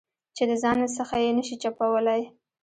چې د ځان څخه یې نه شې چپولای.